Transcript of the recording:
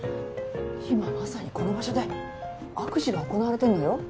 今まさにこの場所で悪事が行なわれてんのよ。